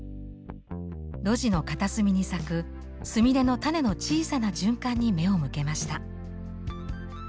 路地の片隅に咲くスミレの種の小さな循環に目を向けました。